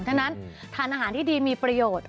ฉะนั้นทานอาหารที่ดีมีประโยชน์